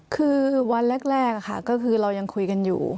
คือวันแรกค่ะก็คือเรายังคุยกันอยู่